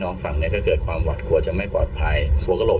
น้องฟังในก็เกิดความหวัดกลัวจะไม่ปลอดภัยวงโลก